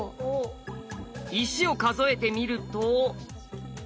石を数えてみると。